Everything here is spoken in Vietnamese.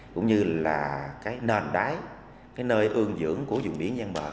cũng như là nền đáy nơi ương dưỡng của vùng biển ven bờ